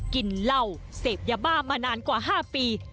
กินเหล้าเสพยาบ้ามานานกว่า๕ปี